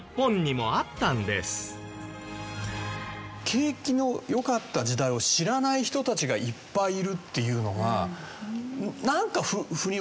景気の良かった時代を知らない人たちがいっぱいいるっていうのがなんか腑に落ちないっていうか